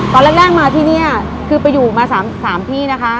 ตอนแรกมาที่นี่คือไปอยู่มา๓ที่นะคะ